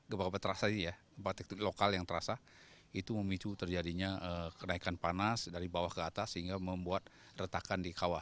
gempa gempa terasa ya gempa lokal yang terasa itu memicu terjadinya kenaikan panas dari bawah ke atas sehingga membuat retakan di kawah